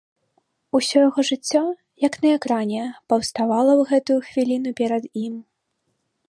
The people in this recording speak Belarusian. Усё яго жыццё, як на экране, паўставала ў гэтую хвіліну перад ім.